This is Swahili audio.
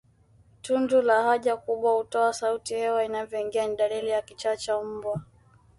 Tundu la haja kubwa hutoa sauti hewa inavyoingia ni dalili ya kichaa cha mbwa